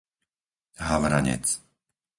Havranec